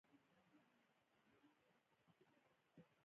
د بانک کارکونکي پیرودونکو ته لارښوونه کوي.